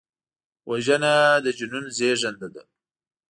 وژنه د جنون زیږنده ده